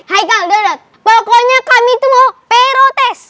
hai kakudot pokoknya kami tuh mau perotes